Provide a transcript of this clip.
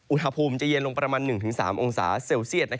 อุณหภูมิจะเย็นลงประมาณ๑๓องศาเซลเซียต